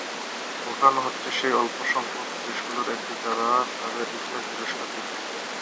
ভুটান হচ্ছে সেই অল্পসংখ্যক দেশগুলোর একটি যারা তাদের ইতিহাস জুড়ে স্বাধীন।